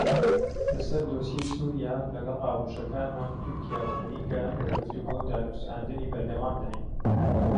لەسەر دۆسیەی سووریا لەگەڵ هاوبەشەکانمان تورکیا و ئەمریکا لە گفتوگۆ و دانوستاندنی بەردەوامداین.